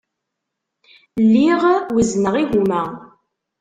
Lliɣ wezzneɣ igumma.